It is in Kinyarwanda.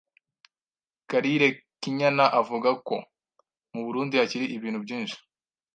Karirekinyana avuga ko mu Burundi hakiri ibintu byinshi